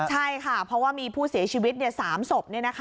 ใช่ค่ะเพราะว่ามีผู้เสียชีวิต๓ศพ